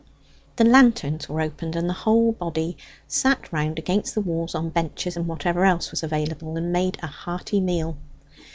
The lanterns were opened, and the whole body sat round against the walls on benches and whatever else was available, and made a hearty meal.